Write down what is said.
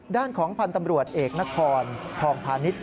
ด้านของพันธ์ตำรวจเอกนครพรพานิษฐ์